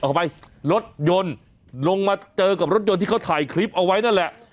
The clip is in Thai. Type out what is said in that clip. เข้าไปรถยนต์ลงมาเจอกับรถยนต์ที่เขาถ่ายคลิปเอาไว้นั่นแหละ